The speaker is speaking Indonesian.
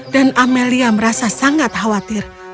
dan amelia merasa sangat khawatir